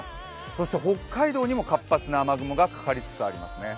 そして北海道にも活発な雨雲かかりつつありますね。